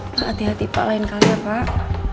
nah hati hati pak lain kali ya pak